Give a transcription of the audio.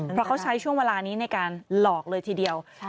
เพราะเขาใช้ช่วงเวลานี้ในการหลอกเลยทีเดียว